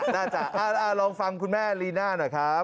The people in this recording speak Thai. น่าจะลองฟังคุณแม่ลีน่าหน่อยครับ